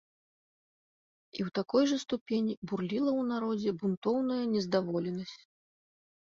І ў такой жа ступені бурліла ў народзе бунтоўная нездаволенасць.